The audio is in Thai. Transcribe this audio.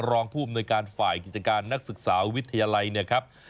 รองผู้อำนวยการฝ่ายกิจการนักศึกษาวิทยาลัยเนี่ยครับ